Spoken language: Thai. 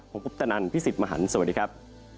ผมคุปตะนันพี่สิทธิ์มหันฯสวัสดีครับ